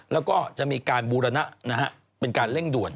แล้วก็จะมีการบูรณะเป็นการเร่งด่วน